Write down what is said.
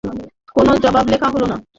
কোনো জবাব লেখা হইল না।